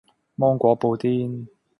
芒果布甸